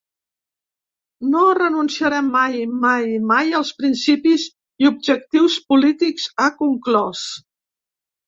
No renunciarem mai, mai, mai als principis i objectius polítics, ha conclòs.